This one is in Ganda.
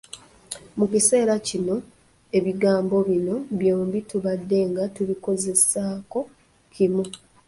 Mu kiseera kino ebigambo bino byombi tubadde nga tubikozesezaako kimu.